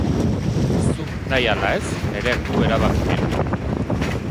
Zuk nahi ala ez Nereak du erabakimena.